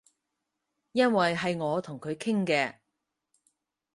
因爲係我同佢傾嘅